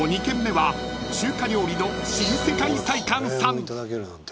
２軒目は中華料理の新世界菜館さん］